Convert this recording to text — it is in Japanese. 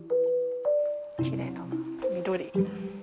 きれいな緑。